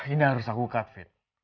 ini harus aku cut fit